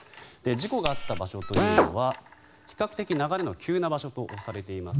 事故があった場所というのは比較的流れの急な場所とされています